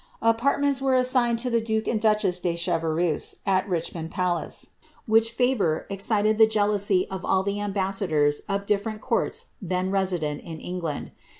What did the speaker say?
Apartments were assigned to the duke and duchess (ie Chevreuse at Richmond palace, which favour excited the jealousy of sll the ambassadors of diiferent courts then resident in England.